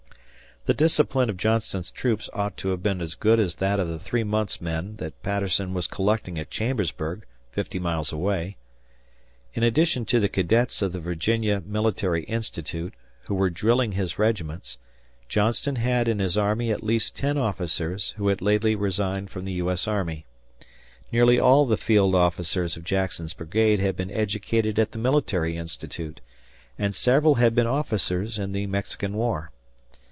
The discipline of Johnston's troops ought to have been as good as that of the three months' men that Patterson was collecting at Chambersburg, fifty miles away. In addition to the cadets of the Virginia Military Institute, who were drilling his regiments, Johnston had in his army at least ten officers who had lately resigned from the U. S. Army. Nearly all of the field officers of Jackson's brigade had been educated at the Military Institute, and several had been officers in the Mexican War.